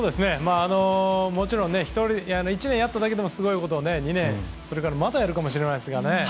もちろん１年やっただけでもすごいことを２年それからまたやるかもしれないですから。